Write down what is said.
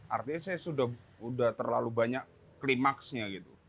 artinya saya sudah terlalu banyak klimaksnya gitu